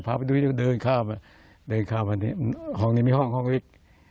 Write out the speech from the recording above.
พาไปดูเดินข้ามห้องนี้มีห้องอีก